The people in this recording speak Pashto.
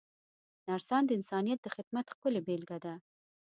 نرسان د انسانیت د خدمت ښکلې بېلګه ده.